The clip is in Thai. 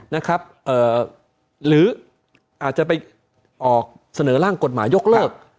นะครับเอ่อหรืออาจจะไปออกเสนอร่างกฎหมายยกเลิก